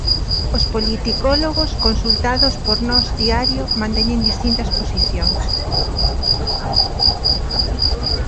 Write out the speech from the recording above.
Os politicólogos consultados por Nós Diario manteñen distintas posicións.